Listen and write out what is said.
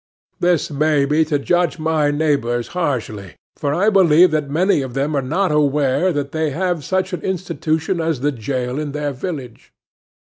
This may be to judge my neighbors harshly; for I believe that most of them are not aware that they have such an institution as the jail in their village.